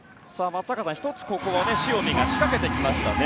松坂さん、１つここは塩見が仕掛けてきましたね。